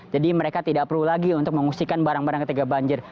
jadi mereka tidak perlu lagi untuk mengungsikan barang barang ketika banjir